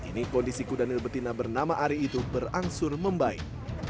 kini kondisi kudanil betina bernama ari itu berangsur membaik